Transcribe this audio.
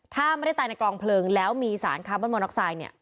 ถ้าไม่ได้ตายในกลองเพลิงแล้วมีสารคาร์บอนมอน็อกไซด์เนี่ย